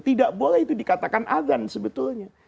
tidak boleh itu dikatakan adhan sebetulnya